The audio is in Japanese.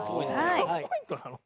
３ポイントなの？